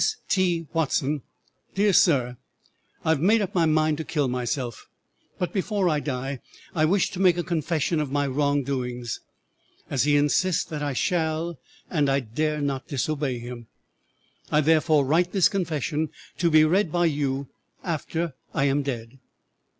S. T. WATSON: "'DEAR SIR: I have made up my mind to kill myself, but before I die I wish to make a confession of my wrong doings, as he insists that I shall and I dare not disobey him. I therefore write this confession, to be read by you after I am dead.